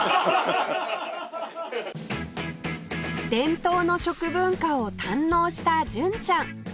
伝統の食文化を堪能した純ちゃん